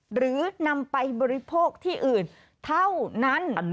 หรือนำไปบริโภคที่อื่นเท่านั้น